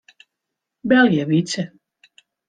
Belje Wytse.